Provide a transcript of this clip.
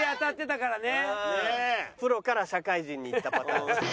プロから社会人に行ったパターン。